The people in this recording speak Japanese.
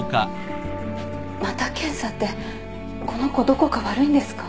また検査ってこの子どこか悪いんですか？